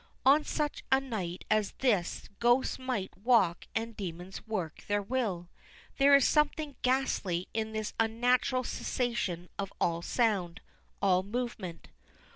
On such a night as this ghosts might walk and demons work their will. There is something ghastly in this unnatural cessation of all sound, all movement.